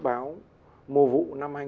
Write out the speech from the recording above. đậu tương là đậu tương nhất thế giới